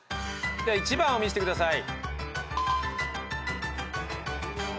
１番を見せてください。